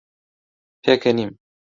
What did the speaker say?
پێکەنیم.